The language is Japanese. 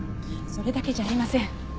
それだけじゃありません。